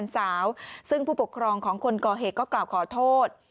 สาวซึ่งผู้ปกครองของคนก่อเหตุก็กล่าวขอโทษ